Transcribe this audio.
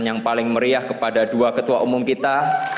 yang paling meriah kepada dua ketua umum kita